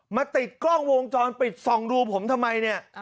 ติดกล้องวงจรปิดส่องดูผมทำไมเนี่ย